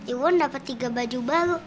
iwon dapat tiga baju baru